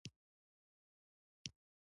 خور د ښایست سمبول ده.